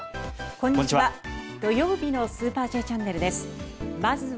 こんにちは。